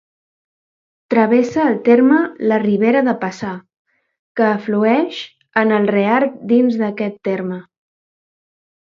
Travessa el terme la Ribera de Paçà, que aflueix en el Reart dins d'aquest terme.